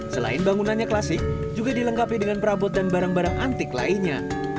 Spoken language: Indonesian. selain bangunannya klasik juga dilengkapi dengan perabot dan barang barang antik lainnya